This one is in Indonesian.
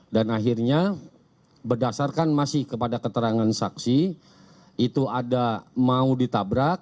akhirnya berdasarkan masih kepada keterangan saksi itu ada mau ditabrak